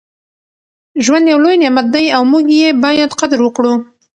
ژوند یو لوی نعمت دی او موږ یې باید قدر وکړو.